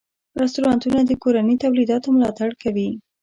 رستورانتونه د کورني تولیداتو ملاتړ کوي.